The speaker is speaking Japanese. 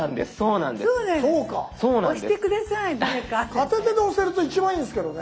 片手で押せると一番いいんすけどね。